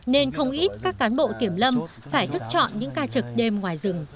nên không ít các cán bộ kiểm lâm phải thức chọn những ca trực đêm ngoài rừng